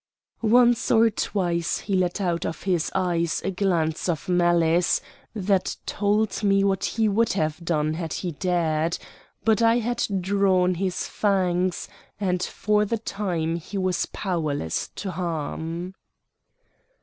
Once or twice he let out of his eyes a glance of malice that told me what he would have done had he dared; but I had drawn his fangs, and for the time he was powerless to harm.